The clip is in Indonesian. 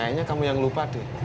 kayaknya kamu yang lupa tuh